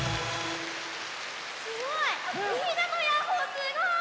すごい！